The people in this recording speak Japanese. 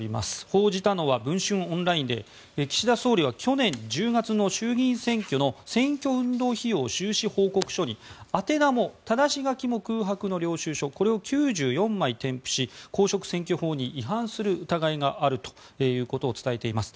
報じたのは文春オンラインで岸田総理は去年１０月の衆議院選挙の選挙運動費用収支報告書に宛名もただし書きも空白の領収書９４枚添付し公職選挙法に違反する疑いがあるということを伝えています。